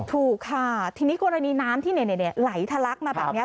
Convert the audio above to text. ถูกค่ะทีนี้กรณีน้ำที่ไหลทะลักมาแบบนี้